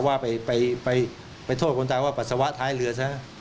ว่าไปโทษคนตายว่าปัสสาวะท้ายเรือซะ